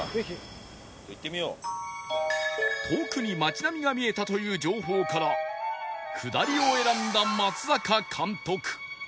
遠くに街並みが見えたという情報から下りを選んだ松坂監督